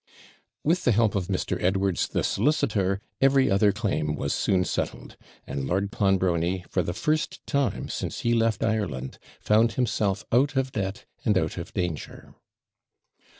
With the help of Mr. Edwards, the solicitor, every other claim was soon settled; and Lord Clonbrony, for the first time since he left Ireland, found himself out of debt, and out of danger.